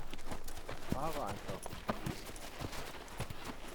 Fahre einfach Richtung Düsseldorf